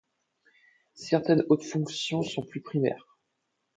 Certaines autres fonctions sont plus primaires.